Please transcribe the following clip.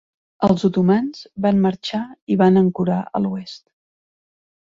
El otomans van marxar i van ancorar a l'oest.